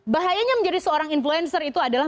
bahayanya menjadi seorang influencer itu adalah